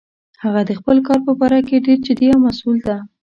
هغه د خپل کار په باره کې ډیر جدي او مسؤل ده